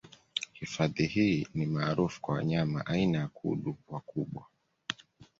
Hifadhi hii ni maarufu kwa wanyama aina ya kudu wakubwa